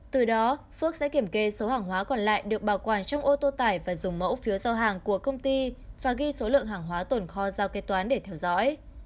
từ đó phước sẽ kiểm kê số hàng hóa còn lại được bảo quản trong ô tô tải và dùng mẫu phiếu giao hàng của công ty và ghi số lượng hàng hóa tồn kho giao kế toán để theo dõi